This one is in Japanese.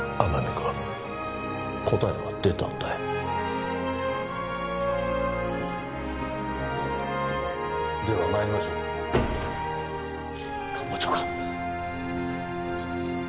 君答えは出たんだよではまいりましょう官房長官！